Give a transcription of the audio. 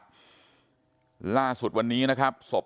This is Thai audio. ตรของหอพักที่อยู่ในเหตุการณ์เมื่อวานนี้ตอนค่ำบอกให้ช่วยเรียกตำรวจให้หน่อย